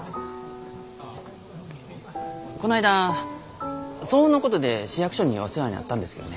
こないだ騒音のことで市役所にお世話になったんですけどね。